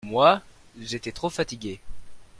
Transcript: Moi, j'étais trop fatigué.